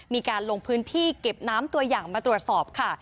มีการลงพื้นที่เก็บน้ำตัวอย่างมาตรวจสอบค่ะ